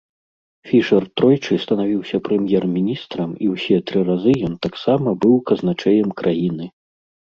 Фішэр тройчы станавіўся прэм'ер-міністрам і ўсе тры разы ён таксама быў казначэем краіны.